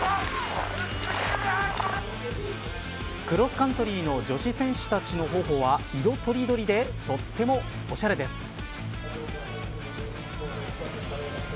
クロスカントリーの女子選手たちの頬は色とりどりでとってもおしゃれです。